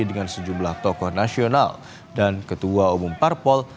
dengan sejumlah tokoh nasional dan ketua umum parpol